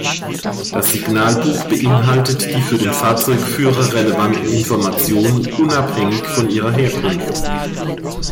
Das Signalbuch beinhaltet die für den Fahrzeugführer relevanten Informationen unabhängig von ihrer Herkunft.